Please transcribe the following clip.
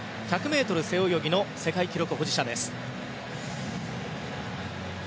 １００ｍ背泳ぎの世界記録保持者です。